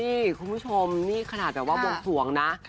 นี่คุณผู้ชมนี่ขนาดแบบว่าวงสวงนะ